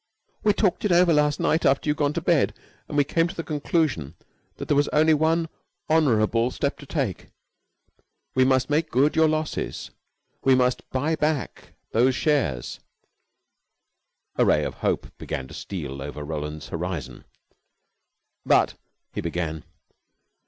"We talked it over last night after you had gone to bed, and we came to the conclusion that there was only one honorable step to take. We must make good your losses. We must buy back those shares." A ray of hope began to steal over Roland's horizon. "But " he began.